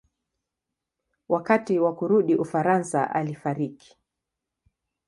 Wakati wa kurudi Ufaransa alifariki.